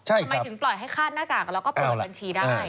ทำไมถึงปล่อยให้คาดหน้ากากแล้วก็เปิดบัญชีได้